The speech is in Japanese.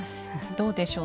どうでしょう？